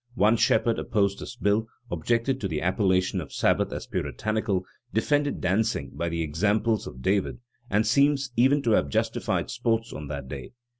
One Shepherd opposed this bill, objected to the appellation of Sabbath as Puritanical, defended dancing by the example of David, and seems even to have justified sports on that day.